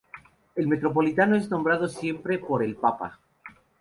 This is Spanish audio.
El metropolitano es nombrado siempre por el papa.